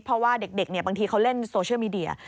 เพราะว่าเด็กบางทีเขาเล่นโซเชียลมีเดีย